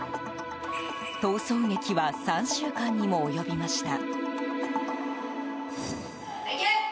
逃走劇は３週間にも及びました。